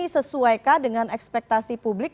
sesuaikah dengan ekspektasi publik